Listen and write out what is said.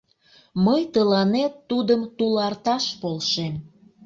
Мый тыланет тудым туларташ полшем.